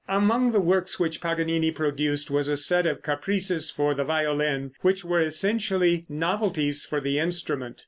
Among the works which Paganini produced was a set of caprices for the violin which were essentially novelties for the instrument.